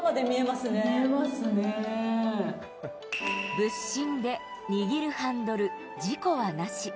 仏心で握るハンドル事故はなし。